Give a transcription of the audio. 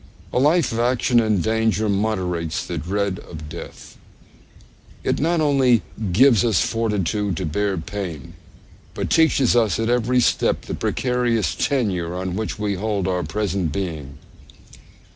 A life of action and danger moderates the dread of death. It not only gives us fortitude to bear pain, but teaches us at every step the precarious tenure on which we hold our present being.